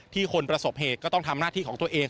คนประสบเหตุก็ต้องทำหน้าที่ของตัวเอง